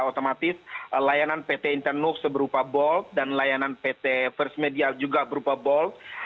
otomatis layanan pt internux seberupa bol dan layanan pt first media juga berupa bol